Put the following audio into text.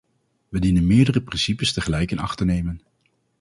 Wij dienen meerdere principes tegelijk in acht te nemen.